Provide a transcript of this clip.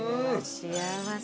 幸せ。